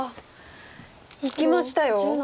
いきましたよ。